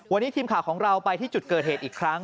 วันนี้ทีมข่าวของเราไปที่จุดเกิดเหตุอีกครั้ง